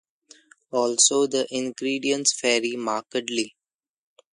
Also the ingredients vary markedly.